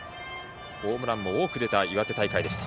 ホームランも多く出た岩手大会でした。